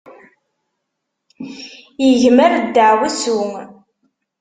Igmer ddaɛwessu.